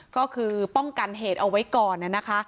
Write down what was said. ก็คือป้องกันเหตุเอาไว้ก่อนนะคะ